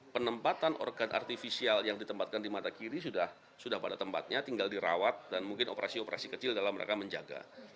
penempatan organ artifisial yang ditempatkan di mata kiri sudah pada tempatnya tinggal dirawat dan mungkin operasi operasi kecil dalam mereka menjaga